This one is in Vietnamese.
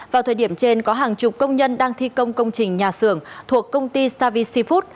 vào thời điểm trên có hàng chục công nhân đang thi công công trình nhà xưởng thuộc công ty savi food